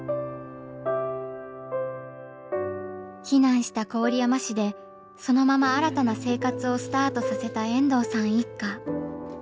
避難した郡山市でそのまま新たな生活をスタートさせた遠藤さん一家。